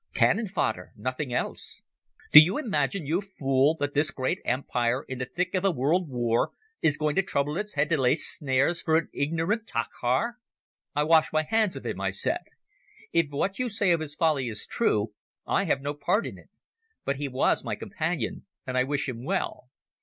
Cannon fodder, nothing else. Do you imagine, you fool, that this great Empire in the thick of a world war is going to trouble its head to lay snares for an ignorant traakhaar?" "I wash my hands of him," I said. "If what you say of his folly is true I have no part in it. But he was my companion and I wish him well.